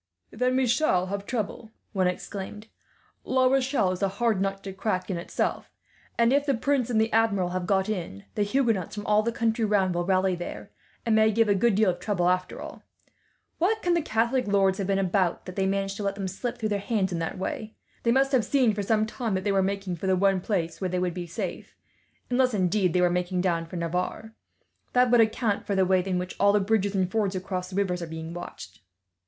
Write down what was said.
"Then we shall have trouble," one exclaimed. "La Rochelle is a hard nut to crack, in itself; and if the prince and the Admiral have got in, the Huguenots from all the country round will rally there, and may give a good deal of trouble, after all. What can the Catholic lords have been about, that they managed to let them slip through their hands in that way? They must have seen, for some time, that they were making for the one place where they would be safe; unless indeed they were making down for Navarre. That would account for the way in which all the bridges and fords across the rivers are being watched."